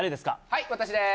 はい私です